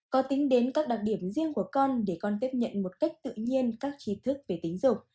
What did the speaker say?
có tính đến các đặc điểm riêng của con để con tiếp nhận một cách tự nhiên các trí thức về tín dụng